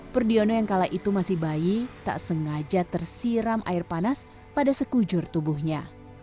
pur diono yang kala itu masih bayi tak sengaja tersiram air panas pada sekujur tubuhnya